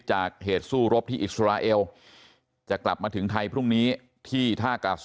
จากเหตุสู้รบที่อิสราเอลจะกลับมาถึงไทยพรุ่งนี้ที่ท่ากาศ